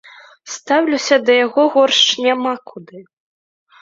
Стаўлюся да яго горш няма куды.